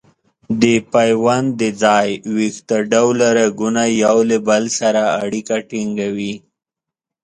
د پیوند د ځای ویښته ډوله رګونه یو له بل سره اړیکه ټینګوي.